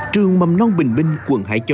trường mầm non bình binh quận hải châu